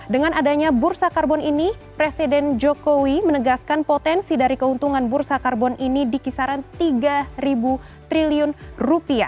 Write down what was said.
dengan adanya bursa karbon ini presiden jokowi menegaskan potensi dari keuntungan bursa karbon ini di kisaran rp tiga triliun